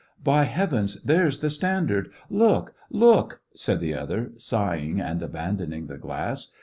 ," By Heavens, there's the standard ! Look, look !" said the other, sighing and abandoning the glass.